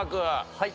はい。